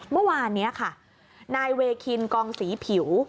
เมื่อวานนี้ค่ะนายเวคินกองศรีผิว